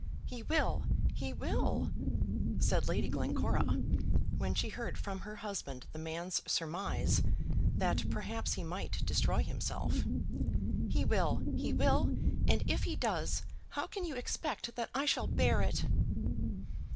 "He will; he will," said Lady Glencora; when she heard from her husband the man's surmise that perhaps he might destroy himself. "He will; he will; and if he does, how can you expect that I shall bear it?"